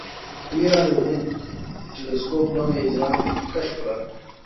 ویرا روبین ټیلسکوپ نوي اجرام کشف کړل.